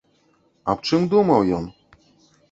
Аб чым думаў ён?